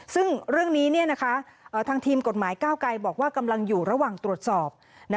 ซึ่งเรื่องนี้ทางทีมกฎหมายก้าวไกรบอกว่ากำลังอยู่ระหว่างตรวจสอบ